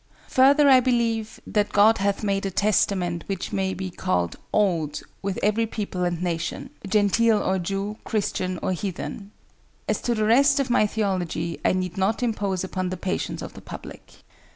Further, I believe that God hath made a testament which maybe called "old" with every people and nation,—Gentile or Jew, Christian or Heathen. As to the rest of my theology, I need not impose upon the patience of the public.